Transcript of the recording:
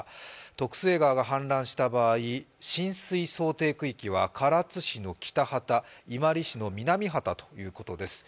徳須恵川が氾濫した場合浸水想定区域は唐津市の北波多、伊万里市ということです。